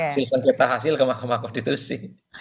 silahkan kita hasil ke mahkamah konditusi